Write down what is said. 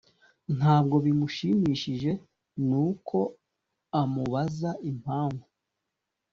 ntabwo bimushimishije nuko amubaza impamvu